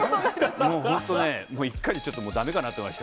もう本当ね、もう一回でだめかなと思いました。